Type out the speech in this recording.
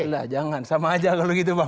lah jangan sama aja kalau gitu bang